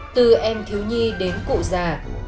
từ em thiếu nhi đến cụ già